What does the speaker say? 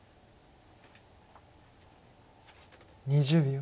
２０秒。